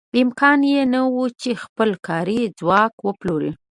امکان یې نه و چې خپل کاري ځواک وپلوري.